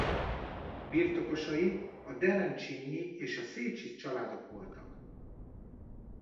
Birtokosai a Derencsényi és a Széchy családok voltak.